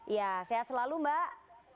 ya sehat selalu mbak